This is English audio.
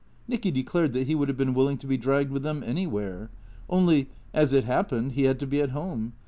Nicky declared that he would have been willing to be dragged with them anywhere. Only, as it happened, he had to be at home.